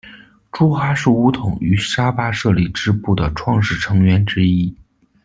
朱哈是巫统于沙巴设立支部的创始成员之一。